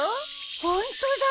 ホントだ。